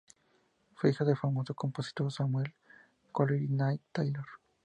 Fue hija del famoso compositor Samuel Coleridge-Taylor.